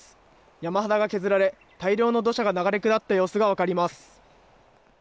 山肌が削られ、大量の土砂が流れ下った様子が分かります。